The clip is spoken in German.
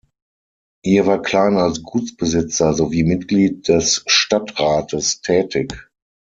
Hier war Klein als Gutsbesitzer sowie Mitglied des Stadtrates tätig.